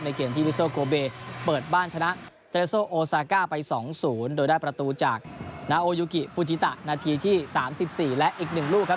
เกมที่วิโซโกเบเปิดบ้านชนะเซเลโซโอซาก้าไป๒๐โดยได้ประตูจากนาโอยูกิฟูจิตะนาทีที่๓๔และอีก๑ลูกครับ